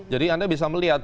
jadi anda bisa melihat